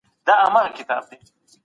نو توري نه ښکاري.